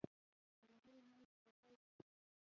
د هری میاشتی د پای په ورځ